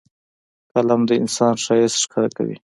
قلم د انسان ښایست ښکاره کوي